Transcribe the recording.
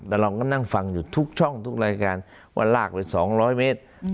แต่เราก็นั่งฟังอยู่ทุกช่องทุกรายการว่าลากไป๒๐๐เมตร